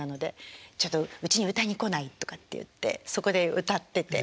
「ちょっとうちに歌いに来ない？」とかって言ってそこで歌ってて。